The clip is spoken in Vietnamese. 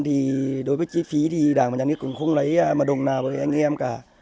thì đối với chi phí thì đảng và nhà nước cũng không lấy mật đồng nào với anh em cả